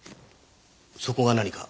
そこが何か？